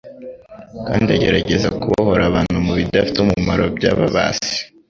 kandi agerageza kubohora abantu mu bidafite umumaro byababase